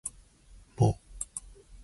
も